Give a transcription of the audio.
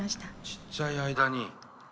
ちっちゃい間に。